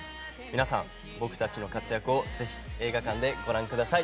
皆さん、僕たちの活躍をぜひ映画館でご覧ください。